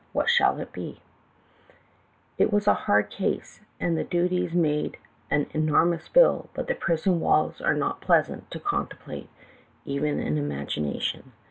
What shall it be ?' "It was a hard case, as the duties made an enormous bill, but prison walls are not pleasant to contemplate, even in imagination.